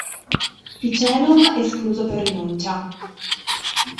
Picenum escluso per rinuncia.